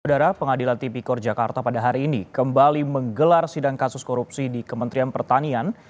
saudara pengadilan tipikor jakarta pada hari ini kembali menggelar sidang kasus korupsi di kementerian pertanian